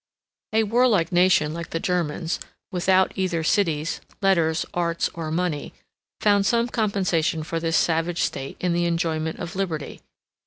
] A warlike nation like the Germans, without either cities, letters, arts, or money, found some compensation for this savage state in the enjoyment of liberty.